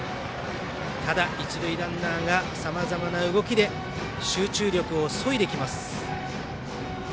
ただ、一塁ランナーがさまざまな動きで集中力をそいできます。